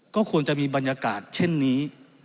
ก็ควรจะมีบรรยากาศเช่นนี้